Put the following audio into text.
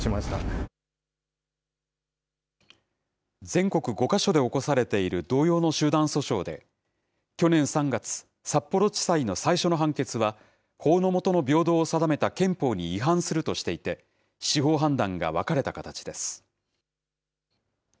全国５か所で起こされている同様の集団訴訟で、去年３月、札幌地裁の最初の判決は、法の下の平等を定めた憲法に違反するとしていて、司法判断が分かれた形です。